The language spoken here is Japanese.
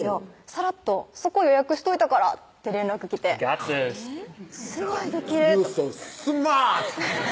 さらっと「そこ予約しといたから」って連絡来てすごいできると思ってユーソースマート！